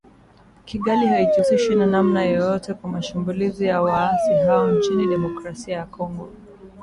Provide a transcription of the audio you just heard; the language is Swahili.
Kigali haijihusishi kwa namna yoyote na mashambulizi ya waasi hao nchini Demokrasia ya Kongo.